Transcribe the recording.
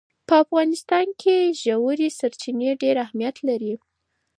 په افغانستان کې ژورې سرچینې ډېر اهمیت لري.